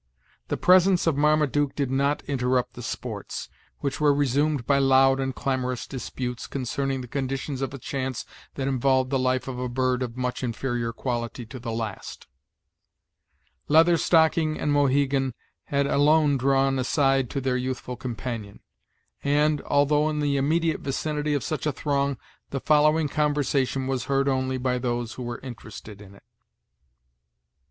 The presence of Marmaduke did not interrupt the sports, which were resumed by loud and clamorous disputes concerning the conditions of a chance that involved the life of a bird of much inferior quality to the last. Leather Stocking and Mohegan had alone drawn aside to their youthful companion; and, although in the immediate vicinity of such a throng, the following conversation was heard only by those who were interested in it.